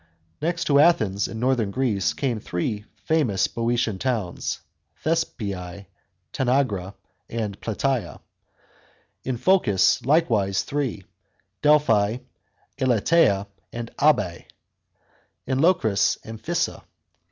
Next to Athens, in northern Greece, come three famous Boeotian towns, Thespiae, Tanagra, and Platsea; in Phocis likewise three, Delphi, Elatea, and Abae ; in Locris, Amphissa.